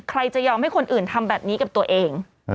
ใครจะยอมให้คนอื่นทำแบบนี้กับตัวเอง